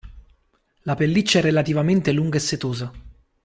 La pelliccia è relativamente lunga e setosa.